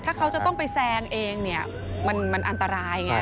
ถ้าเขาจะต้องไปแซงเองเนี่ยมันอันตรายไง